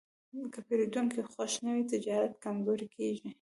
که پیرودونکی خوښ نه وي، تجارت کمزوری کېږي.